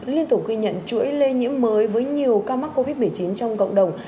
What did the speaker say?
liên tục ghi nhận chuỗi lây nhiễm mới với nhiều ca mắc covid một mươi chín trong cộng đồng